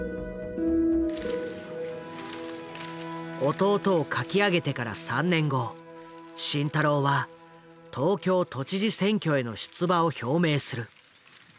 「弟」を書き上げてから３年後慎太郎は東京都知事選挙への出馬を表明する。